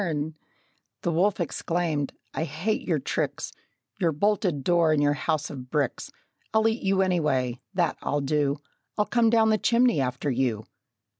Then the wolf exclaimed, "I hate your tricks, Your bolted door and your house of bricks! I'll eat you anyway that I'll do! I'll come down the chimney after you!"